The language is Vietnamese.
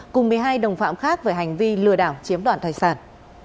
cùng một mươi hai đồng phạm khác về hành vi lừa đảo chiếm đoạn thải sản